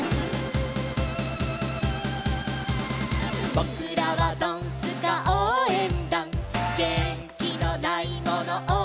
「ぼくらはドンスカおうえんだん」「げんきのないものおうえんだ！！」